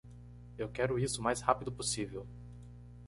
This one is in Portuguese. Eu quero isso o mais rápido possível.